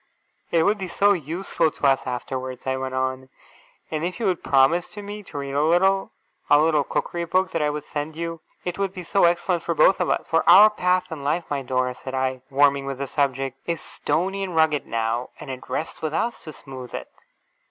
' It would be so useful to us afterwards,' I went on. 'And if you would promise me to read a little a little Cookery Book that I would send you, it would be so excellent for both of us. For our path in life, my Dora,' said I, warming with the subject, 'is stony and rugged now, and it rests with us to smooth it.